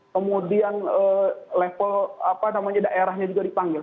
kemudian level daerahnya juga dipanggil